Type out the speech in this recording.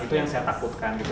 itu yang saya takutkan